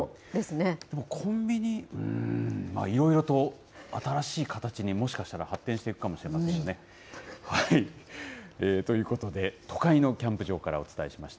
でもコンビニ、うーん、いろいろと新しい形に、もしかしたら発展していくかもしれませんよね。ということで、都会のキャンプ場からお伝えしました。